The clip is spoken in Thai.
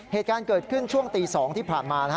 เหตุการณ์เกิดขึ้นช่วงตี๒ที่ผ่านมานะฮะ